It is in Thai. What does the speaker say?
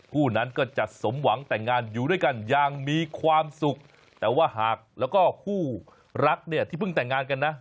คู่นั้นก็จะสมหวังแต่งงานอยู่ด้วยกันอย่างมีความสุขแต่ว่าหากแล้วก็คู่รักเนี่ยที่เพิ่งแต่งงานกันนะ